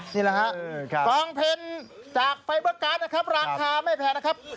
นี่แหละครับกองเพลจากไฟเวอร์การราคาไม่แพนนะครับ